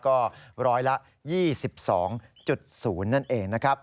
ก็ร้อยละ๒๒๐นั่นเองนะครับ